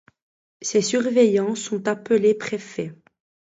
Ces surveillants sont appelés préfets.